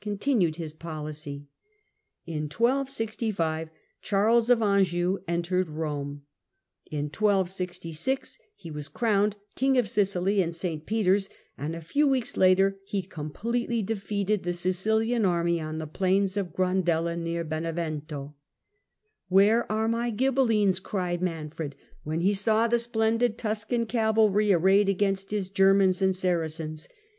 continued his policy. In 1265 Charles of Anjou entered Eome. In 1266 he was crowned King of Sicily in St Peter's, and a few weeks later he completely defeated the Sicilian army on Battle of the plain of Grandella, near Benevento. " Where are my S^Sne ^ Ghibelines ?" cried Manfred, when he saw the splendid 2^126?^' Tuscan cavalry arrayed against his Germans and Sara cens.